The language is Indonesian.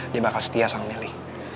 dia bakal setia sama melly